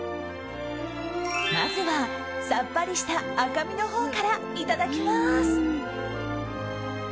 まずはさっぱりした赤身のほうからいただきます。